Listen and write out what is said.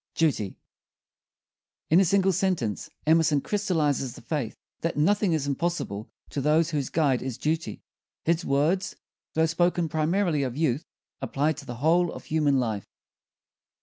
DUTY In a single sentence Emerson crystallizes the faith that nothing is impossible to those whose guide is duty. His words, though spoken primarily of youth, apply to the whole of human life.